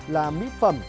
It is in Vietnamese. là mỹ phẩm